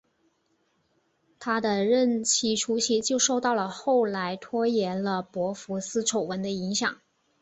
他的任期初期就受到了后来拖延了博福斯丑闻的影响。